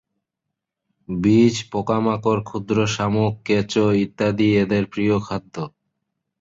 বীজ, পোকামাকড়, ক্ষুদ্র শামুক, কেঁচো ইত্যাদি এদের প্রিয় খাদ্য।